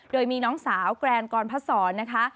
โดยมีน้องสาวแกรนกรพศรนะคะ